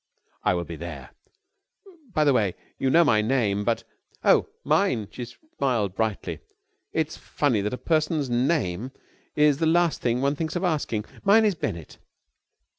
"I will be there. By the way, you know my name, but...." "Oh, mine?" She smiled brightly. "It's funny that a person's name is the last thing one thinks of asking. Mine is Bennett."